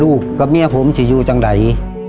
ลูกกับเมียผมจะอยู่ที่ไหน